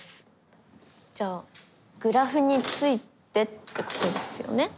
じゃあグラフについてってことですよね？